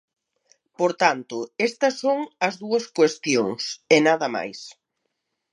Por tanto, estas son as dúas cuestións, e nada máis.